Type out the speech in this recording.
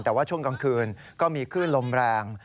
แต่ว่าช่วงกลางคืนก็มีคลื่นลมแรง